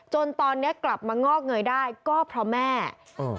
ตอนเนี้ยกลับมางอกเงยได้ก็เพราะแม่เออ